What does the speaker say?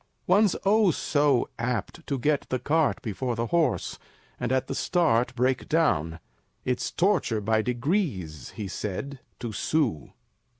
One's oh, so apt to get the cart Before the horse, and at the start Break down. It's torture by degrees, He said, to sue!